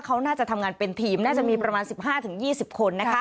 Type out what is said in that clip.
เขาน่าจะทำงานเป็นทีมน่าจะมีประมาณ๑๕๒๐คน